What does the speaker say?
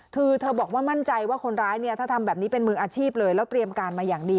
คือเธอบอกว่ามั่นใจว่าคนร้ายเนี่ยถ้าทำแบบนี้เป็นมืออาชีพเลยแล้วเตรียมการมาอย่างดี